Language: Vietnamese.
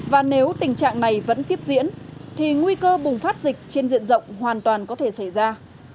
và nếu tình trạng này vẫn tiếp diễn thì nguy cơ bùng phát dịch trên diện rộng hoàn toàn có thể xảy ra